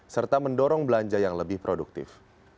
serta mendorong belanja yang lebih produktif